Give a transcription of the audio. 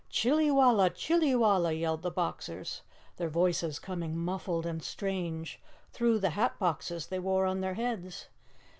"Chillywalla! Chillywalla!" yelled the Boxers, their voices coming muffled and strange through the hat boxes they wore on their heads.